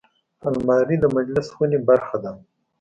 الماري د مجلس خونې برخه ده